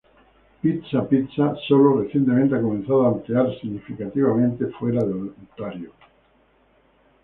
Pizza Pizza sólo recientemente ha comenzado a ampliar significativamente fuera de Ontario.